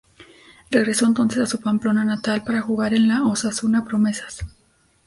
Regresó entonces a su Pamplona natal para jugar en el Osasuna Promesas.